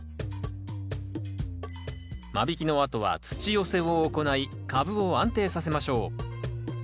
間引きのあとは土寄せを行い株を安定させましょう。